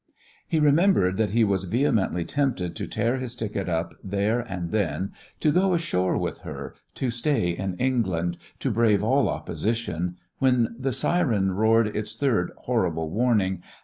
He remembered that he was vehemently tempted to tear his ticket up there and then, to go ashore with her, to stay in England, to brave all opposition when the siren roared its third horrible warning